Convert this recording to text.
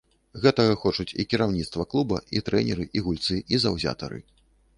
Гэтага хочуць і кіраўніцтва клуба, і трэнеры, і гульцы, і заўзятары.